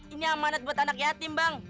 ini amanat buat anak yatim bang